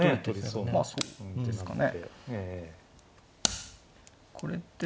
そうですね